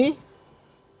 kemudian juga di tol jawa